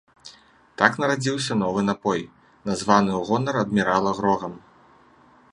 Так нарадзіўся новы напой, названы ў гонар адмірала грогам.